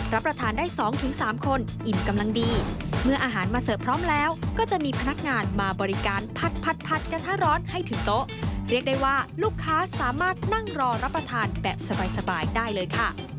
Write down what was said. รับประทานได้๒๓คนอิ่มกำลังดีเมื่ออาหารมาเสิร์ฟพร้อมแล้วก็จะมีพนักงานมาบริการผัดกระทะร้อนให้ถึงโต๊ะเรียกได้ว่าลูกค้าสามารถนั่งรอรับประทานแบบสบายได้เลยค่ะ